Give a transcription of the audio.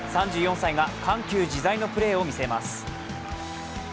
３４歳が緩急自在のプレーを見せます。